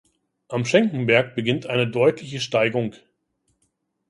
Am Schenkenberg beginnt eine deutliche Steigung.